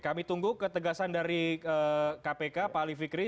kami tunggu ketegasan dari kpk pak ali fikri